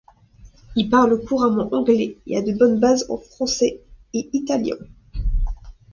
Il parle couramment anglais, et a de bonnes bases en français et italien.